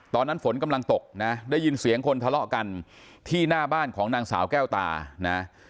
ตอนนั้นฝนกำลังตกนะได้ยินเสียงคนทะเลาะกันที่หน้าบ้านของนางสาวแก้วตานะ